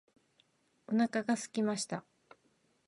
お腹がすきました。